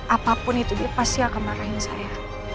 apapun itu dia pasti akan marahin saya